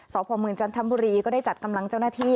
สพเมืองจันทบุรีก็ได้จัดกำลังเจ้าหน้าที่